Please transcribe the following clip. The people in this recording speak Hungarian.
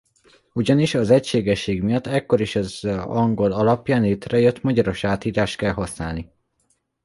Ugyanis az egységesség miatt ekkor is az angol alapján létrejött magyaros átírást kell használni.